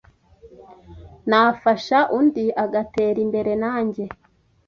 nafasha undi agatera imbere nanjye.